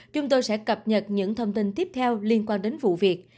chúng tôi sẽ cập nhật những thông tin tiếp theo liên quan đến vụ việc